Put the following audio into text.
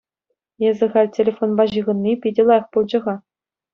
Эсӗ халь телефонпа ҫыхӑнни питӗ лайӑх пулчӗ-ха.